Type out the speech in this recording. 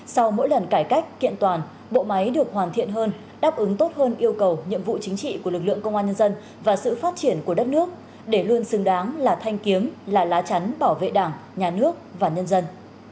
sau mỗi lần cải cách kiện toàn bộ máy được hoàn thiện hơn đáp ứng tốt hơn yêu cầu nhiệm vụ chính trị của lực lượng công an nhân dân và sự phát triển của đất nước để luôn xứng đáng là thanh kiếm là lá chắn bảo vệ đảng nhà nước và nhân dân